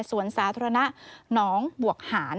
สวนสาธารณะหนองบวกหาน